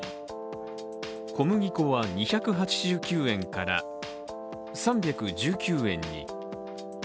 小麦粉は２８９円から３１９円に。